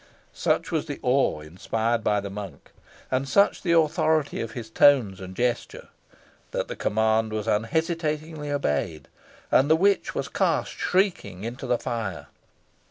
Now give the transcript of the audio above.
Such was the awe inspired by the monk, and such the authority of his tones and gesture, that the command was unhesitatingly obeyed, and the witch was cast, shrieking, into the fire.